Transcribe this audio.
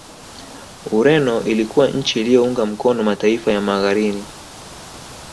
Ureno ilikuwa nchi iliyounga mkono mataifa ya Magharini